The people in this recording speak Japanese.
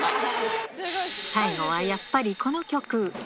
最後はやっぱりこの曲。